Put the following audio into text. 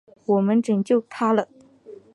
我们拯救他了！